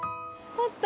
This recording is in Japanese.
あった？